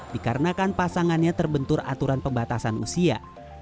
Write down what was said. dikarenakan pasangannya terbentur aturan pembatasan usia